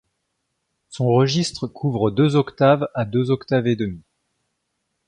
Son registre couvre deux octaves à deux octaves et demie.